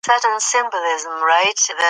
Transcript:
مرکب صفت فکر روښانه کوي.